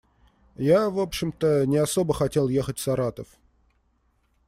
Я, в общем-то, не особо хотел ехать в Саратов.